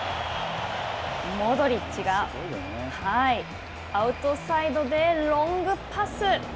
モドリッチが、アウトサイドでロングパス。